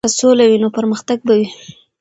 که سوله وي نو پرمختګ به وي.